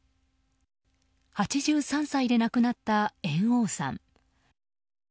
８３歳で亡くなった猿翁さん。